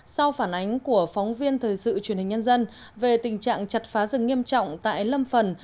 sau phản ánh của phóng viên thời sự truyền hình nhân dân về tình trạng chặt phá rừng nghiêm trọng tại lâm phần